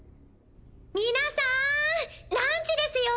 皆さんランチですよ！